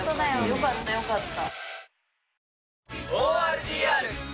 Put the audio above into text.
よかったよかった。